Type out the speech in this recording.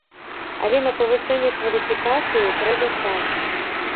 Але на павышэнне кваліфікацыі трэба час.